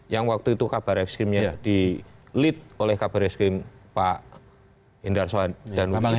yang waktu itu kabar eskrimnya di lead oleh kabar eskrim pak hindar soedanudi